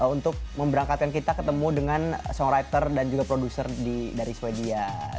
untuk memberangkatkan kita ketemu dengan songwriter dan juga producer dari sweden